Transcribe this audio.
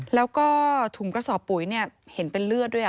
แล้วก็ถุงกระสอบปุ๋ยเห็นเป็นเลือดด้วย